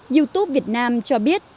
youtube việt nam cho biết